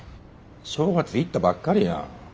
正月行ったばっかりやん。